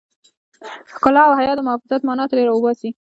د ښکلا او حيا د محافظت مانا ترې را وباسي.